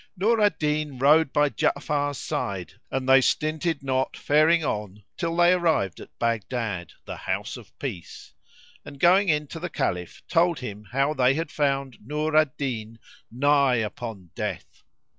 Nur al Din rode by Ja'afar's side and they stinted not faring on till they arrived at Baghdad, the House of Peace, and going in to the Caliph told him how they had found Nur al Din nigh upon death.